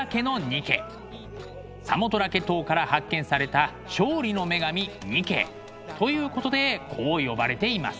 サモトラケ島から発見された勝利の女神ニケということでこう呼ばれています。